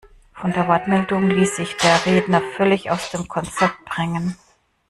Von der Wortmeldung ließ sich der Redner völlig aus dem Konzept bringen.